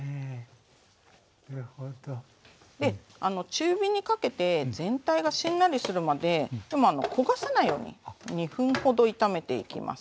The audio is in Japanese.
中火にかけて全体がしんなりするまででも焦がさないように２分ほど炒めていきます。